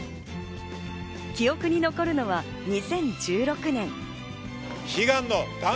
記憶に残るのは２０１６年。